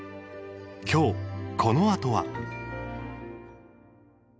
きょう、このあとは。